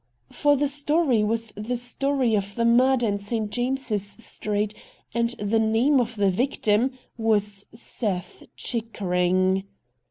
For the story was the story of the murder in St. James's Street, and the name of the victim was Seth Chickering.